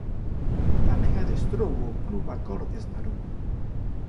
Tamén adestrou o Club Acordes Narón.